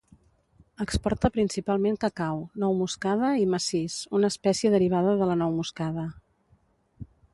Exporta principalment cacau, nou moscada i macís, una espècia derivada de la nou moscada.